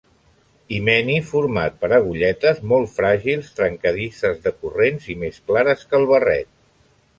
Himeni format per agulletes molt fràgils, trencadisses, decurrents, i més clares que el barret.